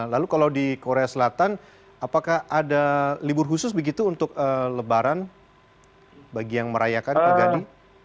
lalu kalau di korea selatan apakah ada libur khusus begitu untuk lebaran bagi yang merayakan pak gadi